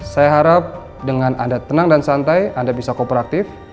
saya harap dengan anda tenang dan santai anda bisa kooperatif